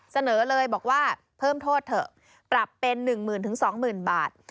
เสนอเลยบอกว่าเพิ่มโทษเถอะปรับเป็น๑๐๐๐๒๐๐๐บาท